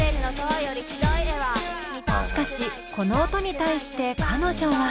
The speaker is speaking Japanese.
しかしこの音に対して彼女は。